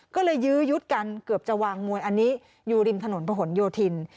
ก็เลยยื้อยุดกันเกือบจะวางมวยอันนี้อยู่ริมถนนผนโยธิน